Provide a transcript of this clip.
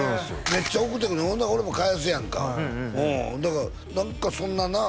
めっちゃ贈ってくるほんなら俺も返すやんかうんだから何かそんななあ